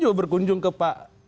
juga berkunjung ke pak